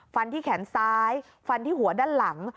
ฟันที่แขนซ้ายฟันที่หัวด้านหลัง